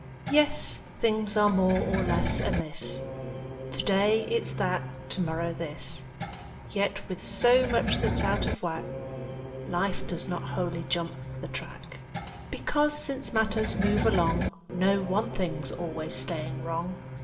Yes, things are more or less amiss; To day it's that, to morrow this; Yet with so much that's out of whack, Life does not wholly jump the track Because, since matters move along, No one thing's always staying wrong.